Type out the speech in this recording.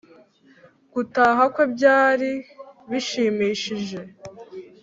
gutaha kwe byari bishimishije.